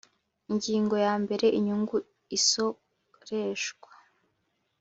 Ingingo yambere Inyungu isoreshwa